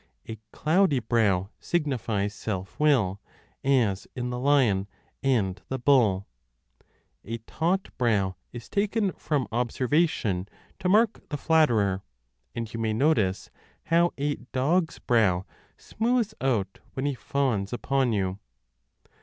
A cloudy brow signifies self will, as in the lion and the bull : a taut brow is taken from observation to mark the flatterer, and you may notice how a dog s brow smooths out when he fawns upon you.